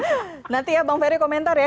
nanti ya bang ferry komentar ya